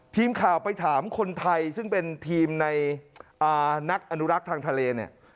ทีมข่าวไปถามคนไทยซึ่งเป็นทีมในนักอนุรักษ์ทางทะเลเนี่ย